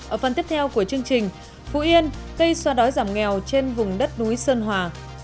ở phần tiếp theo của chương trình phú yên cây xoa đói giảm nghèo trên vùng đất núi sơn hòa